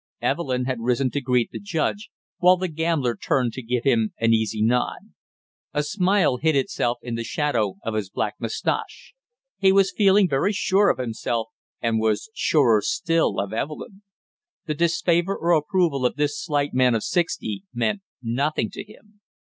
Evelyn had risen to greet the judge, while the gambler turned to give him an easy nod. A smile hid itself in the shadow of his black mustache; he was feeling very sure of himself and surer still of Evelyn. The disfavor or approval of this slight man of sixty meant nothing to him.